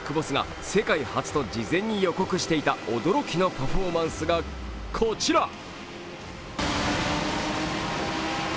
ＢＩＧＢＯＳＳが世界初と事前に予告していた驚きのパフォーマンスがこちら。